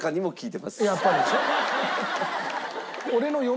やっぱりでしょ？